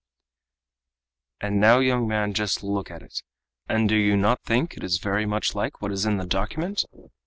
_ "And now, young man, just look at it, and do you not think it is very much like what is in the document?